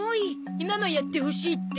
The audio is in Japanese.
ひまもやってほしいって。